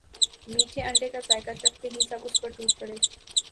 میٹھے انڈے کا ذائقہ چکھتے ہی سب اس پر ٹوٹ پڑے